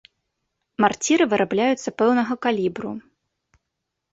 Марціры вырабляюцца пэўнага калібру.